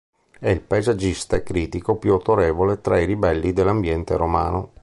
È il paesaggista e critico più autorevole fra i ribelli dell'ambiente romano.